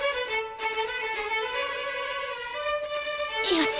よし！